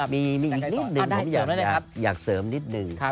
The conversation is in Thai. มีอีกนิดนึงผมอยากเสริมนิดนึง